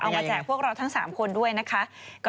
มาแจกพวกเราทั้ง๓คนด้วยนะคะ